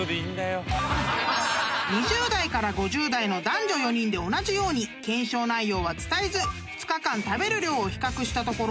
［２０代から５０代の男女４人で同じように検証内容は伝えず２日間食べる量を比較したところ］